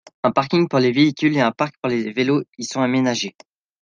Un parking pour les véhicules et un parc pour les vélos y sont aménagés.